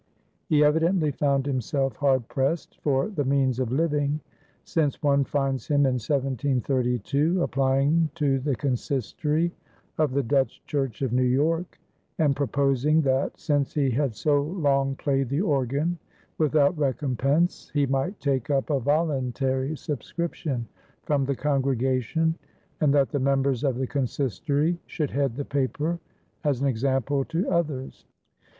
He evidently found himself hard pressed for the means of living, since one finds him in 1732 applying to the consistory of the Dutch Church of New York and proposing that, since he had so long played the organ without recompense, he might take up a voluntary subscription from the congregation and that the members of the consistory should head the paper as an example to others.